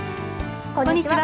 こんにちは。